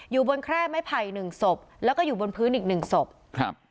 อยู่บนแคร่ไม้ไผ่หนึ่งศพแล้วก็อยู่บนพื้นอีกหนึ่งศพครับ